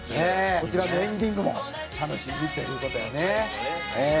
こちらのエンディングも楽しみにという事やねええ。